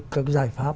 cái giải pháp